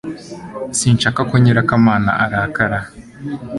Sinshaka ko nyirakamana arakara